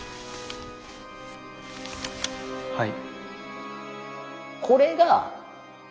はい。